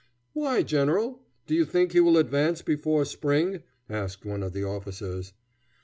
"Why, general? Do you think he will advance before spring?" asked one of the officers.